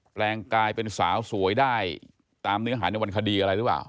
แปลงกายเป็นสาวสวยได้ตามเนื้อหาในวันคดีอะไรหรือเปล่า